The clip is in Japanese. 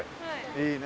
いいね。